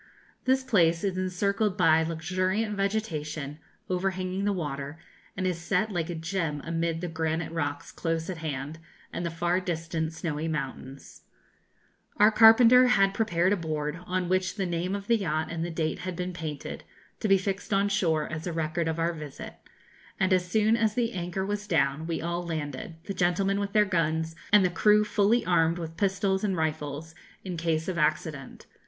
This place is encircled by luxuriant vegetation, overhanging the water, and is set like a gem amid the granite rocks close at hand, and the far distant snowy mountains. [Illustration: Thornton Peaks] Our carpenter had prepared a board, on which the name of the yacht and the date had been painted, to be fixed on shore, as a record of our visit; and as soon as the anchor was down we all landed, the gentlemen with their guns, and the crew fully armed with pistols and rifles, in case of accident.